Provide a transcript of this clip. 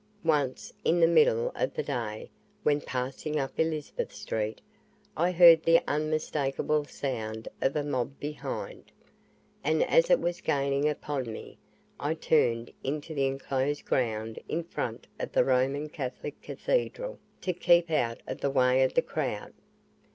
Once, in the middle of the day, when passing up Elizabeth Street, I heard the unmistakeable sound of a mob behind, and as it was gaining upon me, I turned into the enclosed ground in front of the Roman Catholic cathedral, to keep out of the way of the crowd.